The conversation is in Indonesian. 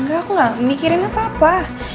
kak aku gak mikirin apa apa